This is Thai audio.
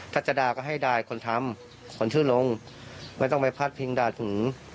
ถัดจดาก็ให้ได้คนทำคนชื่อลงไม่ต้องไปพัดพิงดาถหือ